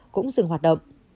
cũng dừng hoạt động